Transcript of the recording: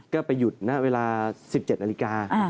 ก็ไปหยุดณเวลา๑๗นาฬิกา